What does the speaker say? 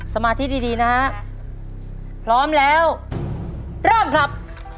สมาธิดีดีนะฮะพร้อมแล้วเริ่มครับ